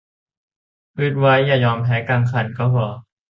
ฮึดไว้อย่ายอมแพ้กลางคันก็พอ